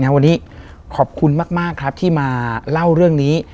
วันนี้ขอบคุณมากครับที่มาเล่าเรื่องนี้